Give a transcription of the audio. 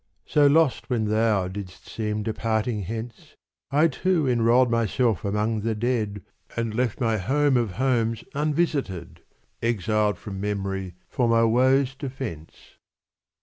So lost when thou didst seem departing hence, I too enrolled myself among the dead And left my home of homes unvisited. Exiled from memory for my woe's defence.